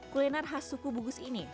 kuliner khas suku bukus ini